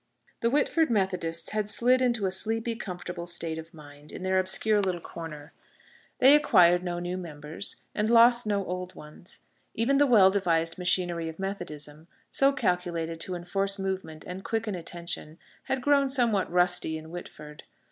The Whitford Methodists had slid into a sleepy, comfortable state of mind in their obscure little corner. They acquired no new members, and lost no old ones. Even the well devised machinery of Methodism, so calculated to enforce movement and quicken attention, had grown somewhat rusty in Whitford.